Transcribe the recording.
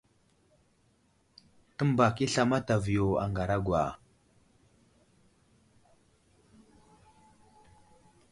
Təmbak i asla mataviyo a ŋaragwa.